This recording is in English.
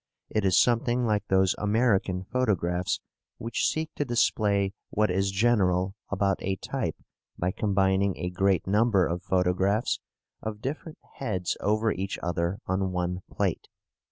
It is something like those American photographs which seek to display what is general about a type by combining a great number of photographs of different heads over each other on one plate.